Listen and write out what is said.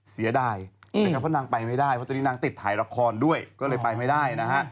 เสียดายเพราะนางไปไม่ได้เพราะนางติดถ่ายละครด้วยก็เลยไปไม่ได้